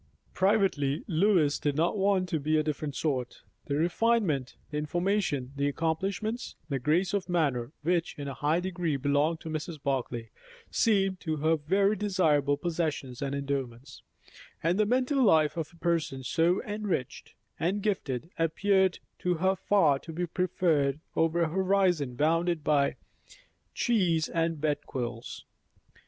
Privately, Lois did not want to be of a different sort. The refinement, the information, the accomplishments, the grace of manner, which in a high degree belonged to Mrs. Barclay, seemed to her very desirable possessions and endowments; and the mental life of a person so enriched and gifted, appeared to her far to be preferred over a horizon bounded by cheese and bed quilts.